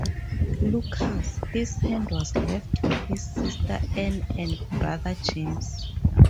Lucas, his land was left to his sister Anne and brother James.